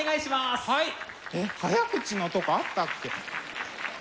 えっ早口のとこあったっけ？